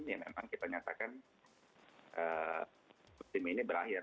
yang memang kita nyatakan tim ini berakhir